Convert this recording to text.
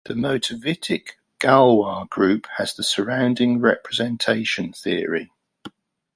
The motivic Galois group has the surrounding representation theory.